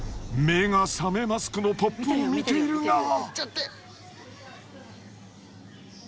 目が覚めマスクのポップを見ているが。